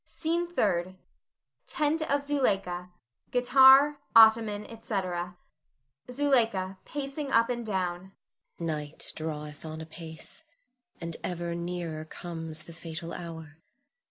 SCENE THIRD. [Tent of Zuleika; guitar, ottoman, etc.] Zuleika [pacing up and down]. Night draweth on apace, and ever nearer comes the fatal hour.